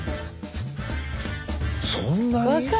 そんなに？